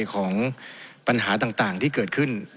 ของปัญหาต่างที่เกิดขึ้น